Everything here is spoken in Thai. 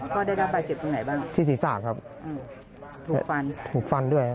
ก็ได้รับบาดเจ็บตรงไหนบ้างที่ศีรษะครับถูกฟันถูกฟันด้วยครับ